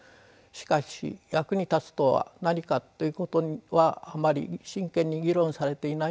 しかし「役に立つとは何か」ということはあまり真剣に議論されていないように思うのです。